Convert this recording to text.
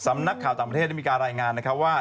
สำนักข่าวต่างประเทศได้มีการรายงานนะครับว่า